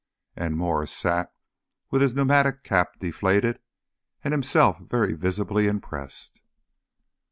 And Mwres sat with his pneumatic cap deflated and himself very visibly impressed.